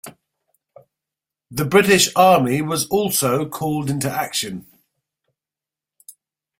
The British Army was also called into action.